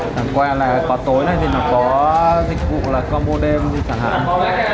đằng qua là có tối này thì nó có dịch vụ là combo đêm chẳng hạn